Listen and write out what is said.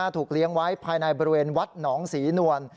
ถูกเลี้ยงไว้ภายในบริเวณวัดหนองศรีนวล